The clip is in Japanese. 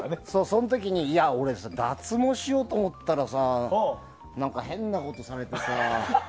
そのときに俺、脱毛しようと思ったらさ変なことされてさ。